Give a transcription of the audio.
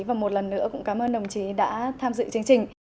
và một lần nữa cũng cảm ơn đồng chí đã tham dự chương trình